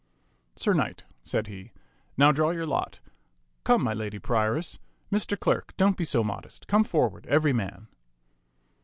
Sir Knight," said he, " now draw your lot. Come, my lady prioress. Mr. Clerk, don't be so modest ; come forward, every man."